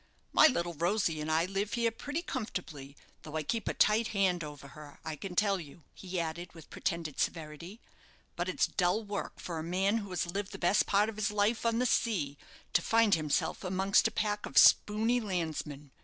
"My little Rosy and I live here pretty comfortably, though I keep a tight hand over her, I can tell you," he added, with pretended severity; "but it's dull work for a man who has lived the best part of his life on the sea to find himself amongst a pack of spooney landsmen.